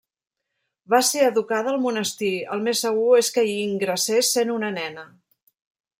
Va ser educada al monestir; el més segur és que hi ingressés sent una nena.